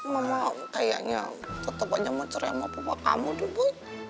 mama kayaknya tetep aja mau cerai sama papa kamu dupu